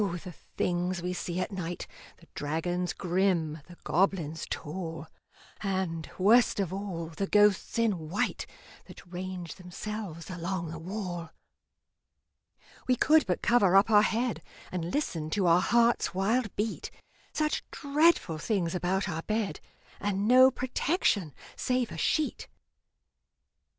the things we see at night The dragons grim, the goblins tall, And, worst of all, the ghosts in white That range themselves along the wall! We could but cover up our head, And listen to our heart's wild beat Such dreadful things about our bed, And no protection save a sheet!